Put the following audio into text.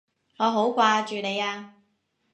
我好掛住你啊！